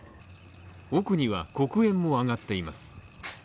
奥には黒煙も上がっています。